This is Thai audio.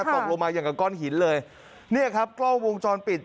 ตกลงมาอย่างกับก้อนหินเลยเนี่ยครับกล้องวงจรปิด